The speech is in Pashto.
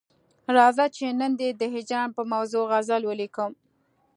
راځه چې نن دي د هجران پر موضوع غزل ولیکم.